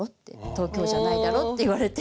東京じゃないだろって言われて。